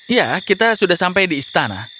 ya kita sudah sampai di istana